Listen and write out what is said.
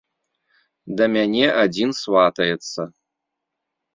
Да мяне адзін сватаецца.